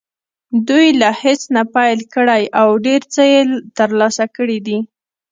دوی له هېڅ نه پیل کړی او ډېر څه یې ترلاسه کړي دي